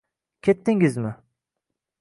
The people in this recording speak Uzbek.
T: ketdingizmi?